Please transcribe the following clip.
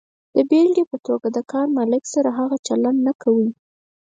د بېلګې په توګه، له کار مالک سره هغه چلند نه کوئ.